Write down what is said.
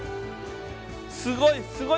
すごい！